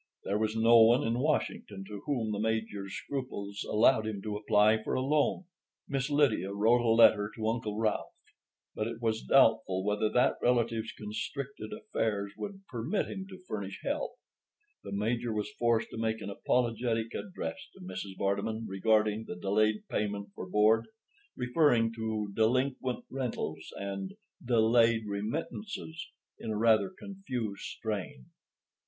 There was no one in Washington to whom the Major's scruples allowed him to apply for a loan. Miss Lydia wrote a letter to Uncle Ralph, but it was doubtful whether that relative's constricted affairs would permit him to furnish help. The Major was forced to make an apologetic address to Mrs. Vardeman regarding the delayed payment for board, referring to "delinquent rentals" and "delayed remittances" in a rather confused strain.